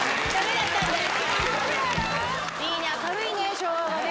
いいね、明るいね、昭和はね。